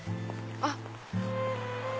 あっ！